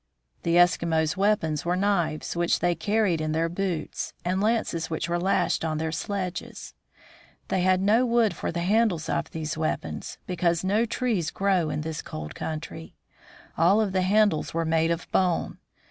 The Eskimos' weapons were knives, which they 4 2 THE FROZEN NORTH carried in their boots, and lances, which were lashed on their sledges. They had no wood for the handles of these weap ons, because no trees grow in this cold country. All of the handles were made of bone.